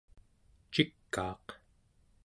cikaaq